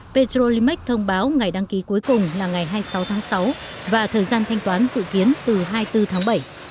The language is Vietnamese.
petrolimax thông báo ngày đăng ký cuối cùng là ngày hai mươi sáu tháng sáu và thời gian thanh toán dự kiến từ hai mươi bốn tháng bảy